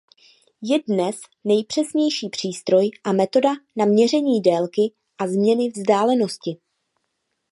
Je dnes nejpřesnější přístroj a metoda na měření délky a změny vzdálenosti.